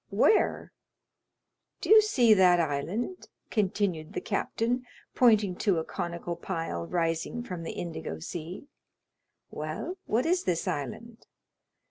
"Where?" "Do you see that island?" continued the captain, pointing to a conical pile rising from the indigo sea. "Well, what is this island?"